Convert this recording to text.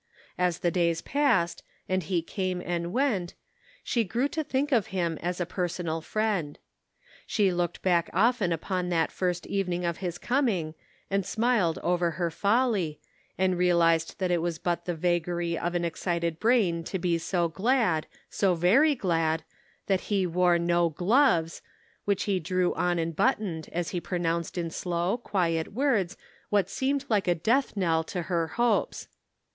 As the days passed, and he came and went, she grew to think of him as a personal friend. She looked back often upon that first evening of his coming, and smiled over her folly, and realized that it was but the vagary of an excited bruin to be so glad, so very glad, that he wore no gloves, which he drew on and The Answer. 369 buttoned, as he pronounced in slow, quiet words, what seemed like a death knell to her hopes.